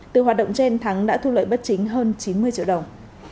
từ hoạt động trên thắng đã thu lợi bất chính hơn chín mươi triệu đồng